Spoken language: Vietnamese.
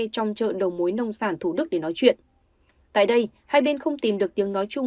trong chợ đầu mối nông sản thủ đức để nói chuyện tại đây hai bên không tìm được tiếng nói chung